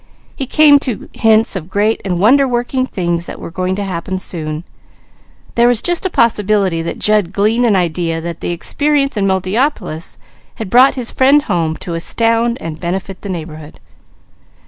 He came to hints of great and wonder working things that were going to happen soon. There was just a possibility that Jud gleaned an idea that the experience in Multiopolis had brought his friend home to astound and benefit the neighbourhood.